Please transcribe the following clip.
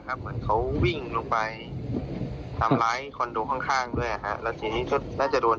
เหมือนเค้าวิ่งลงไปทำร้ายคอนโดข้างด้วย